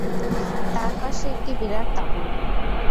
তার পাশে একটি বিরাট তাঁবু।